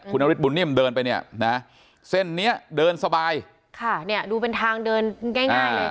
คุณนฤทธบุญนิ่มเดินไปเนี่ยนะเส้นเนี้ยเดินสบายค่ะเนี่ยดูเป็นทางเดินง่ายง่ายเลย